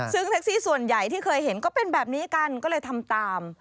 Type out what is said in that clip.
ซึ่งแท็กซี่ส่วนใหญ่ที่เคยเห็นก็เป็นแบบนี้กันก็เลยทำตาม